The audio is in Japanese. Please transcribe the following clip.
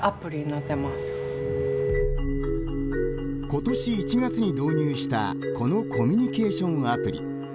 今年１月に導入したこのコミュニケーションアプリ。